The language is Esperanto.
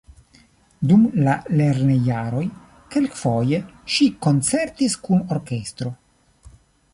Dum la lernojaroj kelkfoje ŝi koncertis kun orkestro.